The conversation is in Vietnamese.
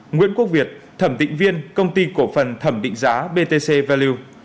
nguyễn quốc việt thẩm định viên công ty cổ phần thẩm định giá btc value